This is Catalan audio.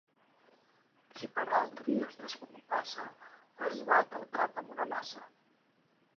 Qui per altri es descompassa, es bat el cap amb una maça.